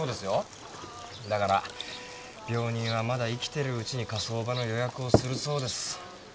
だから病人はまだ生きてるうちに火葬場の予約をするそうです。